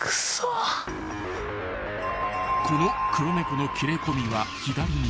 ［この黒猫の切れ込みは左耳］